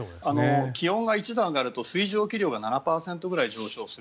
気温が１度違うと水蒸気量が７％ぐらい上昇する。